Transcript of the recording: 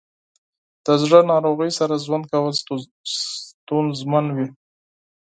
د زړه ناروغیو سره ژوند کول ستونزمن وي.